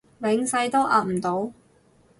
永世都壓唔到